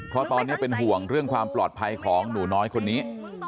เพราะตอนนี้เป็นห่วงเรื่องความปลอดภัยของหนูน้อยคนนี้